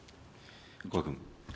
古賀君。